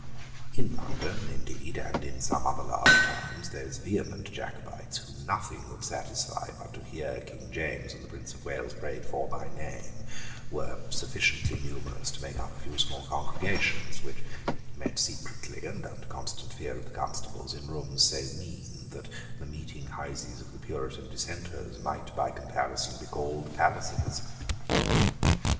In London, indeed, and in some other large towns, those vehement Jacobites, whom nothing would satisfy but to hear King James and the Prince of Wales prayed for by name, were sufficiently numerous to make up a few small congregations, which met secretly, and under constant fear of the constables, in rooms so mean that the meeting houses of the Puritan dissenters might by comparison be called palaces.